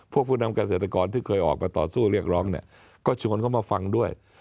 ผู้นำเกษตรกรที่เคยออกมาต่อสู้เรียกร้องเนี่ยก็ชวนเข้ามาฟังด้วย